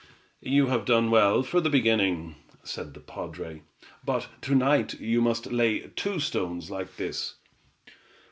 "You have done well for the beginning," said the padre, "but to night, you must lay two stones like this."